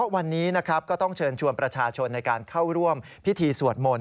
วันนี้นะครับก็ต้องเชิญชวนประชาชนในการเข้าร่วมพิธีสวดมนต์